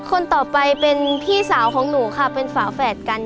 คนต่อไปเป็นพี่สาวของหนูค่ะเป็นฝาแฝดกัน